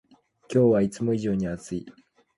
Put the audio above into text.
今日はいつも以上に暑い